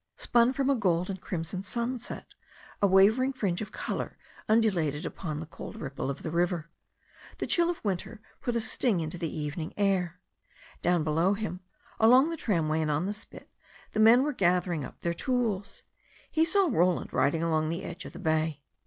Spun from a gold and crimson sunset a wavering fringe I02 THE STORY OF A NEW ZEALAND RIVER of colour undulated upon the cold ripple of the river. The chill of winter put a sting into the evening air. Down below him, along the tramway and on the spit, the men were gathering up their tools. He saw Roland riding along the edge of the bay.